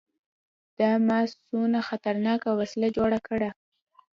دا ما څونه خطرناکه وسله جوړه کړې.